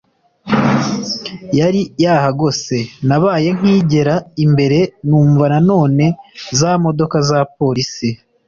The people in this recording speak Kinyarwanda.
yari yahagose, nabaye nkigera imbere numva nanone za modoka za polisi